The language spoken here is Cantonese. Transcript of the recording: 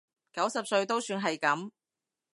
九十歲都算係噉